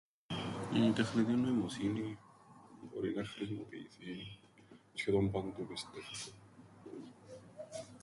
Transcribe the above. Η τεχνητή νοημοσύνη μπορεί να χρησιμοποιηθεί σχεδόν παντού πιστεύκω.